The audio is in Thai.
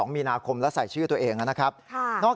๒๒มีนาคมและใส่ชื่อตัวเองนะครับเค้าะค่ะ